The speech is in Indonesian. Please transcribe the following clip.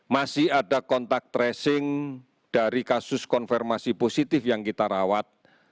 masih ada kontak tracing dari kasus konfirmasi positif yang kita rawat